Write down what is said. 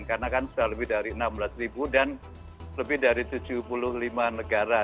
karena kan sudah lebih dari enam belas ribu dan lebih dari tujuh puluh lima negara